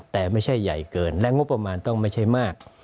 แต่ไม่ใช่ใหญ่เกินและงบประมาณต้องไม่ใช่มาก